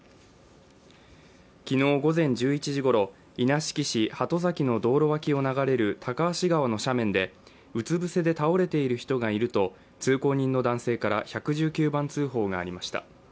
昨日午前１１時ごろ、稲敷市鳩崎の道路脇を流れる高橋川の斜面で、うつ伏せで倒れている人がいると通行人の男性から１１９番通報がありました。